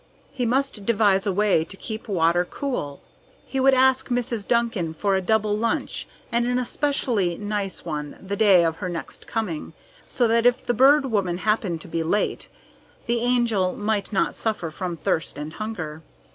He must devise a way to keep water cool. He would ask Mrs. Duncan for a double lunch and an especially nice one the day of her next coming, so that if the Bird Woman happened to be late, the Angel might not suffer from thirst and hunger.